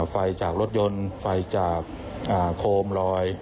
ไฟจากรถยนต์ไฟจากโคมลอย